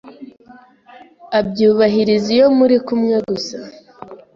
abyubahiriza iyo muri kumwe gusa